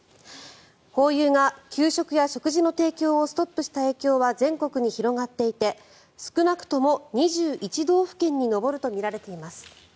ホーユーが給食や食事の提供をストップした影響は全国に広がっていて少なくとも２１道府県に上るとみられています。